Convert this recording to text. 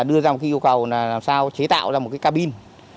đưa ra một ký yêu cầu làm sao chế tạo ra một cabin